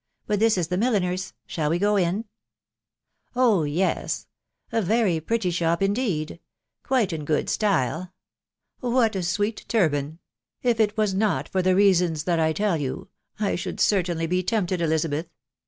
..• But this is the milliner's. ..• Shall we go in ?"" Oh yes !.... A very pretty shop indeed ; quite in good style. What a sweet turban !.... If it was not for the reasons that I tell you, I should certainly be tempted, Eli zabeth.